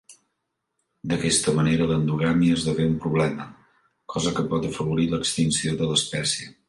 D'aquesta manera l'endogàmia esdevé un problema, cosa que pot afavorir l'extinció de l'espècie.